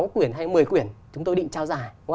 sáu quyển hay một mươi quyển chúng tôi định trao giải